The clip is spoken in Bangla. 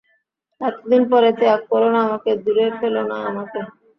এতদিন পরে ত্যাগ কোরো না আমাকে, দূরে ফেলো না আমাকে।